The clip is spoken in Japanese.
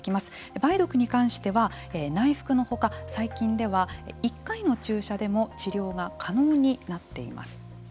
梅毒に関しては内服のほか最近では１回の注射でも治療が可能になっています。